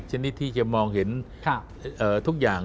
ชนิดที่จะมองเห็นทุกอย่าง